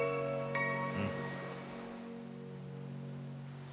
うん。